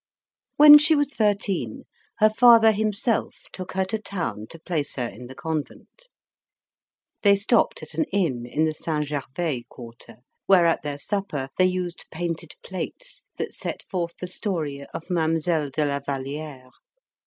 When she was thirteen, her father himself took her to town to place her in the convent. They stopped at an inn in the St. Gervais quarter, where, at their supper, they used painted plates that set forth the story of Mademoiselle de la Valliere.